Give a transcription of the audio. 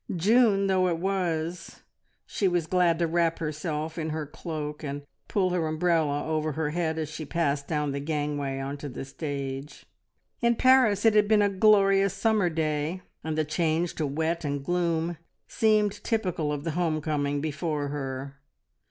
June though it was, she was glad to wrap herself in her cloak, and pull her umbrella over her head as she passed down the gangway on to the stage. In Paris it had been a glorious summer day, and the change to wet and gloom seemed typical of the home coming before her.